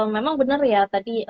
memang benar ya tadi